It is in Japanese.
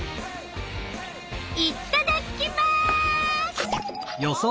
いっただきます！